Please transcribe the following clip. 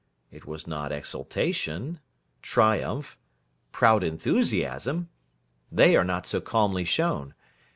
It was not exultation, triumph, proud enthusiasm. They are not so calmly shown.